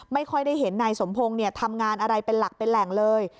ไม่ค่อยได้เห็นนายสมพงศ์ทำงานอะไรเป็นหลักเป็นแหล่งเลย